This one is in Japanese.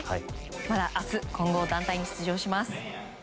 まだ明日混合団体に出場します。